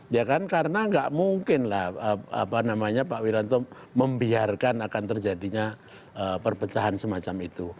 ya kan karena nggak mungkin lah apa namanya pak wiranto membiarkan akan terjadinya perpecahan semacam itu